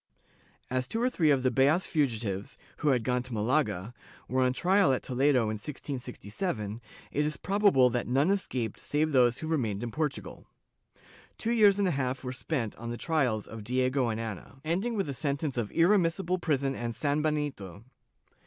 As two or three of the Beas fugitives, who had gone to Malaga, were on trial at Toledo in 1667, it is probable that none escaped save those who remained in Portugal. Two years and a half were spent on the trislls of Diego and Ana, ending with a sentence of irremissible prison and sanbenito.